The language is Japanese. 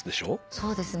そうですね。